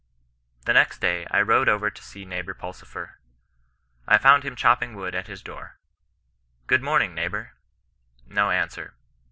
" The next day I rode over to see neighbour Pulsifer. I found him chopping wood at his door. Good morning, neighbour. No answer.